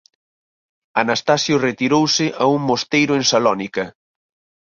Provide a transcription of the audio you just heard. Anastasio retirouse a un mosteiro en Salónica.